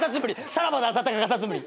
さらばだあたたかカタツムリ。